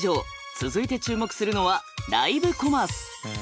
続いて注目するのはライブコマース。